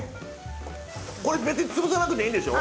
これ別に潰さなくていいんでしょ？